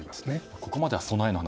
ここまでは備えの話。